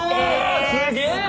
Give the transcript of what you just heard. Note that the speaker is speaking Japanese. すげえ！